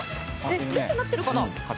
列になってるかな？